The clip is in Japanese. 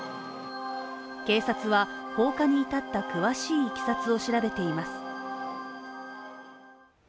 警察は放火に至った詳しい経緯を調べています。